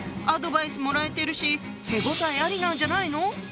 アドバイスもらえてるし手応えありなんじゃないの？